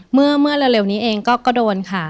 เมื่อเร็วนี้เองก็โดนค่ะ